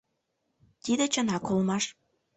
Тиде чынак улмаш.